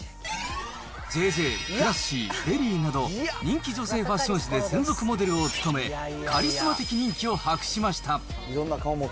ＪＪ、クラッシー、ベリーなど、人気女性ファッション誌で専属モデルを務め、カリスマ的人気を博しました。